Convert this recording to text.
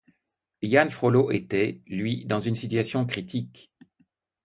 Jehan Frollo était, lui, dans une situation critique.